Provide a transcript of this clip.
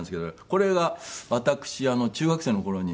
これが私中学生の頃に。